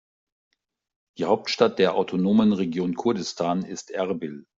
Die Hauptstadt der autonomen Region Kurdistan ist Erbil.